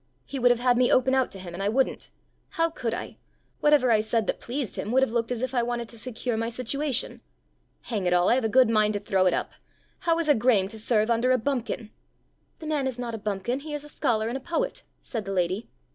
"He would have had me open out to him, and I wouldn't. How could I! Whatever I said that pleased him, would have looked as if I wanted to secure my situation! Hang it all! I have a good mind to throw it up. How is a Graeme to serve under a bumpkin?" "The man is not a bumpkin; he is a scholar and a poet!" said the lady.